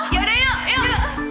yaudah yuk yuk